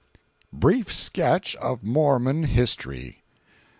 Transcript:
BRIEF SKETCH OF MORMON HISTORY.